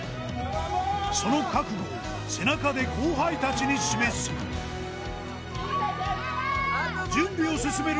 その覚悟を背中で後輩たちに示す準備を進める